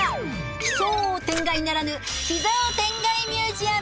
奇想天外ならぬ寄贈天外ミュージアム。